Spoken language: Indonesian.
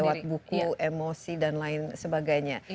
lewat buku emosi dan lain sebagainya